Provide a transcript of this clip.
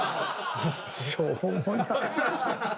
しょうもなっ。